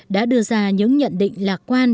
đã đưa ra những nhận định lạc quan